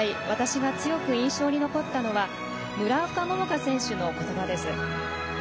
私が強く印象に残ったのは村岡桃佳選手の言葉です。